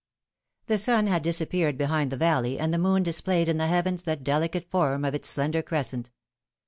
IHE sun had disappeared behind the valley, and the "L moon displayed in the heavens the delicate form of its slender crescent.